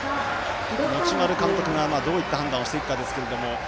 持丸監督がどういった判断をしていくかですけど。